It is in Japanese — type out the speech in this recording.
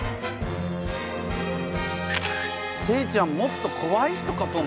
西ちゃんもっとこわい人かと思った。